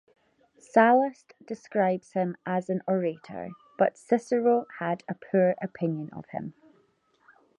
Sallust describes him as an orator, but Cicero had a poor opinion of him.